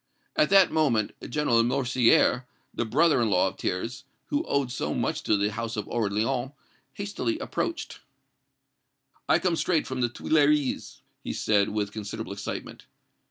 At that moment General Lamoricière, the brother in law of Thiers, who owed so much to the house of Orléans, hastily approached. "I come straight from the Tuileries," he said, with considerable excitement.